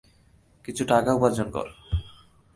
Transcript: কিছু টাকা উপার্জন কর!